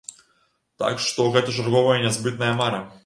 Так што гэта чарговая нязбытная мара.